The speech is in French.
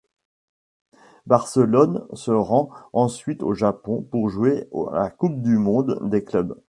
Barcelone se rend ensuite au Japon pour jouer la Coupe du monde des clubs.